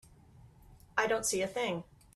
I don't see a thing.